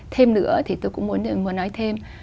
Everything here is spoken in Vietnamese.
thêm nữa thì tôi cũng muốn nói thêm